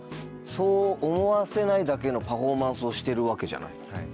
そう思わせないだけのパフォーマンスをしてるわけじゃない。